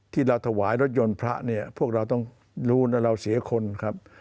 ที่เราถวายรถยนต์พระเนี่ยพวกเราต้องรู้แล้วเราเสียคนครับ